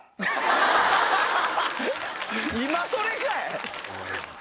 今それかい！